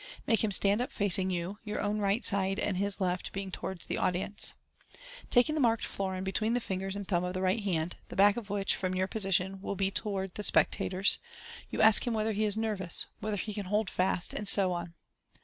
Make him stand up facing you, your own right side and his left being towards the audi ence. Taking the marked florin between the ringers and thumb ol the right hand (the back of which, from your position, will be to ward the spectators), you ask him whether he is nervous, whether he can hold fast, and so on.